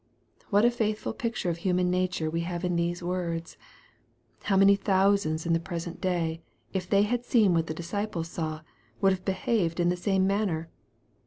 What a faithful picture of human nature we have in these words ! How many thousands in the present day, if they had seen what the disciples saw, would have behaved in the same manner